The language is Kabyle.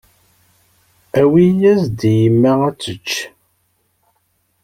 Awi-yas-d i yemma ad tečč.